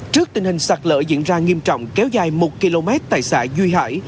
trước tình hình sạt lở diễn ra nghiêm trọng kéo dài một km tại xã duy hải